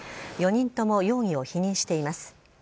４人とも容疑を否認しています。